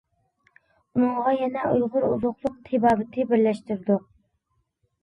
ئۇنىڭغا يەنە ئۇيغۇر ئوزۇقلۇق تېبابىتىنى بىرلەشتۈردۇق.